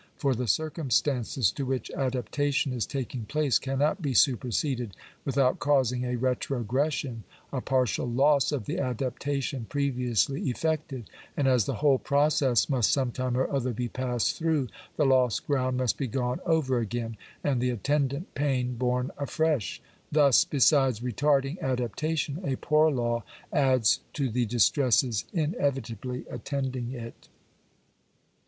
For the circumstances to which adaptation is taking place cannot be superseded without causing a retrogression — a partial loss of the adaptation previously effected; and as the whole process must some time or other be passed through, the lost ground must be gone over again, and the attendant pain borne afresh. Thus, besides retarding adaptation, a poor law adds to the dis tresses inevitably attending it.